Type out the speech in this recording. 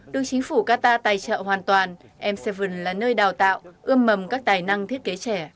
được chính phủ qatar tài trợ hoàn toàn m bảy là nơi đào tạo ươm mầm các tài năng thiết kế trẻ